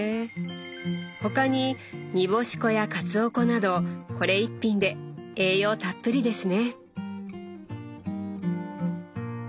他に煮干し粉やかつお粉などこれ１品で栄養たっぷりですね！